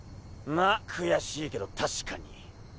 まあ悔しいけど確かに。